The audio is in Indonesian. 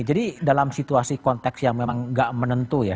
jadi dalam situasi konteks yang memang nggak menentu ya